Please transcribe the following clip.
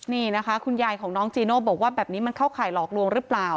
นี่นะคะคุณยายของน้องจีโน่บอกว่าแบบนี้มันเข้าข่ายหลอกลวงหรือเปล่า